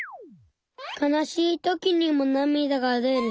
悲しいときにもなみだが出る。